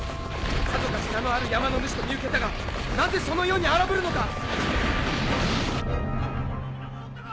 さぞかし名のある山の主と見受けたがなぜそのように荒ぶるのか⁉・女子供は皆戻ったか？